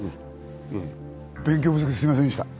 勉強不足で、すみませんでした。